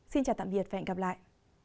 xin chào tạm biệt và hẹn gặp lại